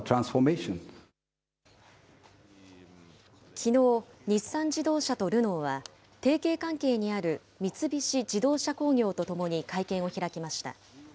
きのう、日産自動車とルノーは、提携関係にある三菱自動車工業と共に会見を開きました。